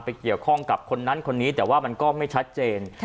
เกี่ยวข้องกับคนนั้นคนนี้แต่ว่ามันก็ไม่ชัดเจน